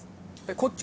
こっち